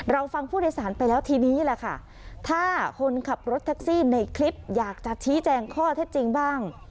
ฟังผู้โดยสารไปแล้วทีนี้แหละค่ะถ้าคนขับรถแท็กซี่ในคลิปอยากจะชี้แจงข้อเท็จจริงบ้าง